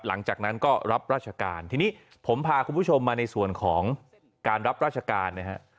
หลังจากนั้นก็รับราชการทีนี้ผมพาคุณผู้ชมมาในส่วนของการรับราชการนะฮะ